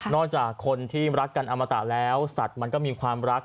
จากคนที่รักกันอมตะแล้วสัตว์มันก็มีความรัก